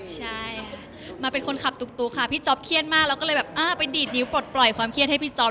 ใช่มาเป็นคนขับตุ๊กค่ะพี่จ๊อปเครียดมากแล้วก็เลยแบบอ่าไปดีดนิ้วปลดปล่อยความเครียดให้พี่จ๊อป